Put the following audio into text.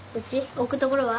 置くところは？